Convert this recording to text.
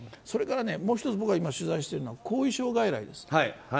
それからもう１つ僕が今、取材してるのは後遺症外来です。